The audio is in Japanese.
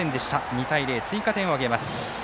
２対０、追加点を挙げます。